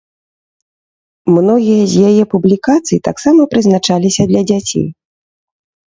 Многія з яе публікацый таксама прызначаліся для дзяцей.